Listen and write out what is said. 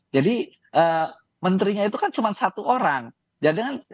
jadi menterinya itu kan cuma satu orang